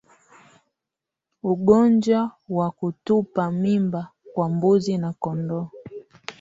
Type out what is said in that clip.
Ugonjwa wa kutupa mimba kwa mbuzi na kondoo